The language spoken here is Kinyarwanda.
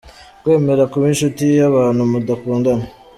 Kwemera kuba inshuti y’ abantu mudakundana.